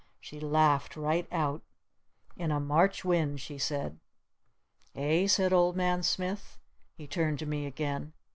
She laughed right out. "In a March wind!" she said. "Eh?" said Old Man Smith. He turned to me again.